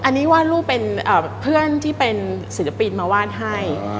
อันนี้วาดรูปเป็นเพื่อนที่เป็นศิลปินมาวาดให้